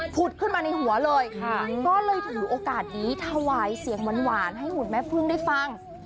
ขึ้นมาในหัวเลยก็เลยถือโอกาสนี้ถวายเสียงหวานให้หุ่นแม่พึ่งได้ฟัง